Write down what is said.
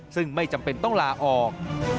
ซึ่งไม่จำเป็นต้องลาออก